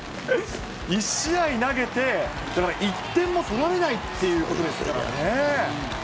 １試合投げて、１点も取られないってことですからね。